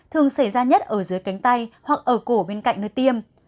thường xảy ra nhất ở dưới cánh tay hoặc ở cổ bên cạnh nơi tiêm